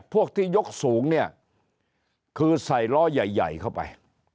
พวกที่ยกสูงเนี่ยคือใส่ล้อใหญ่ใหญ่เข้าไป